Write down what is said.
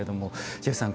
ジェフさん